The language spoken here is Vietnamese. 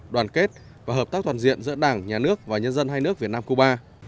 đoàn kết và hợp tác toàn diện giữa đảng nhà nước và nhân dân hai nước việt nam cuba